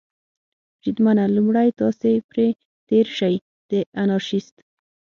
بریدمنه، لومړی تاسې پرې تېر شئ، د انارشیست.